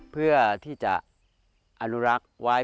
เพื่อที่จะอนุรักษ์ไว้